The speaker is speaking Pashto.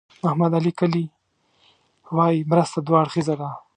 محمد علي کلي وایي مرسته دوه اړخیزه ده.